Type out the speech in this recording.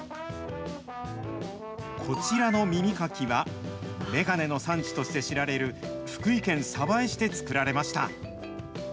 こちらの耳かきは、眼鏡の産地として知られる福井県鯖江市で作られました。